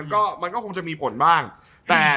ผมว่ามันก็คงสามารถให้ปลอดภัย